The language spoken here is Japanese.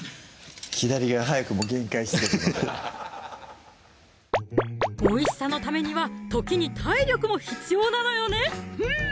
左が早くも限界きてるのでおいしさのためには時に体力も必要なのよねフーン！